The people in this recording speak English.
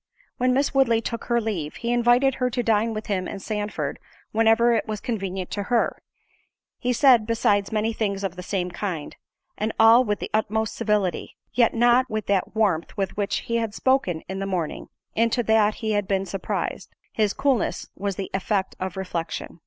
When Miss Woodley took her leave, he invited her to dine with him and Sandford whenever it was convenient to her; he said, besides, many things of the same kind, and all with the utmost civility, yet not with that warmth with which he had spoken in the morning—into that he had been surprised—his coolness was the effect of reflection.